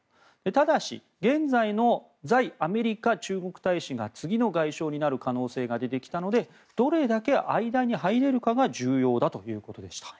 ただし現在の在アメリカ中国大使が次の外相になる可能性が出てきたのでどれだけ間に入れるかが重要だということでした。